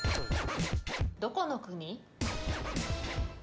どこの国？